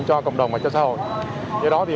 cho cộng đồng và cho xã hội